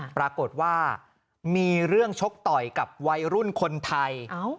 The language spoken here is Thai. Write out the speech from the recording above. ปรากฏว่ามีเรื่องชกต่อยกับวัยรุ่นคนไทย